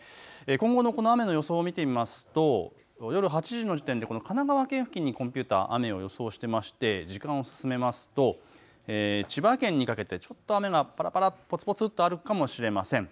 今後のこの雨の予想を見てみますと夜８時の時点で神奈川県付近にコンピューター、雨を予想していまして時間を進めますと千葉県にかけてちょっと雨がぱらぱら、ぽつぽつっとあるかもしれません。